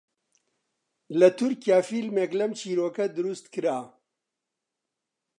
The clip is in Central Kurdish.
لە تورکیا فیلمێک لەم چیرۆکە دروست کرا